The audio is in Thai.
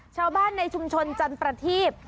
ชาวบ้านในชุมชนจันประทีพ